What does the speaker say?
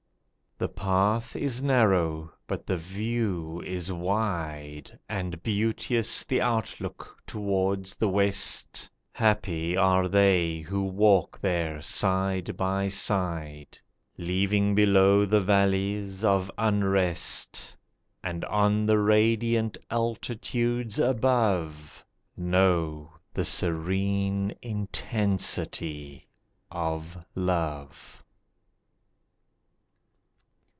The path is narrow, but the view is wide, And beauteous the outlook towards the west Happy are they who walk there side by side, Leaving below the valleys of unrest, And on the radiant altitudes above Know the serene intensity of love.